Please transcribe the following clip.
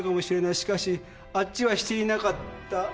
しかしあっちはしていなかった。